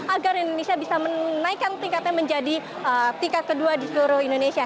agar indonesia bisa menaikkan tingkatnya menjadi tingkat kedua di seluruh indonesia